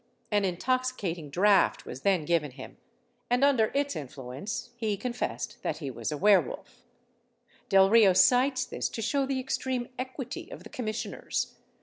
An intoxicating draught was then given him, and under its influence he confessed that he was a weir wolf. Delrio cites this to shew the extreme equity of the commissioners.